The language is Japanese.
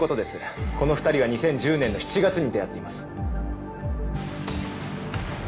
この２人は２０１０年の７月に出会っています。